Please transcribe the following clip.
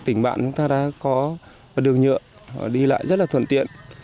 tỉnh bạn chúng ta đã có đường nhựa đi lại rất là thuận tiện